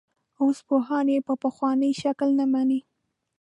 اوس پوهان یې په پخواني شکل نه ویني.